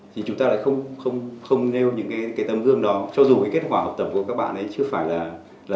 thì chúng ta lại không nêu những cái tấm gương đó cho dù cái kết quả học tập của các bạn ấy chưa phải là